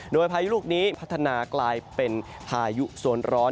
โดยพายุลูกนี้พัฒนากลายเป็นพายุโซนร้อน